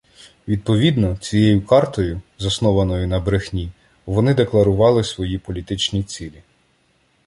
Відповідно, цією картою, заснованою на брехні, вони декларували свої політичні цілі.